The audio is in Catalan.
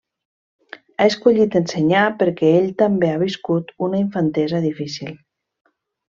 Ha escollit ensenyar perquè ell també ha viscut una infantesa difícil.